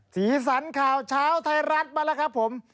สีสันข่าวเช้าไทยรัฐมาแล้วครับผม